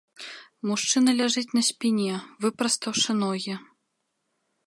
Мужчына ляжыць на спіне, выпрастаўшы ногі.